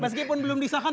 meskipun belum disahkan